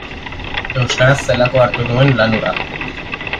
Euskaraz zelako hartu nuen lan hura.